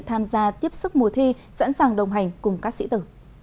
được tham gia tiếp xúc mùa thi sẵn sàng đồng hành cùng các sĩ tử